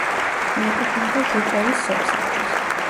მიეკუთვნება ჟუკოვის სოფსაბჭოს.